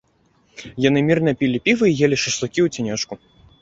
Яны мірна пілі піва і елі шашлыкі ў цянёчку.